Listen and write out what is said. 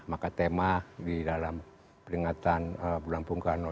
maka tema di dalam peringatan bulan bung karno